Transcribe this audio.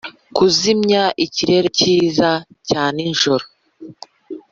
kuzimya ikirere cyiza cya ni joro.